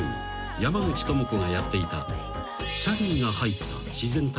山口智子がやっていた］